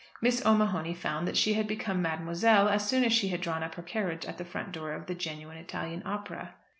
Miss O'Mahony found that she had become Mademoiselle as soon as she had drawn up her carriage at the front door of the genuine Italian Opera.